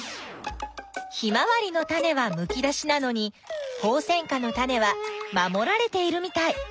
ヒマワリのタネはむき出しなのにホウセンカのタネは守られているみたい。